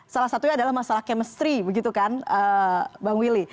salah satunya adalah masalah chemistry begitu kan bang willy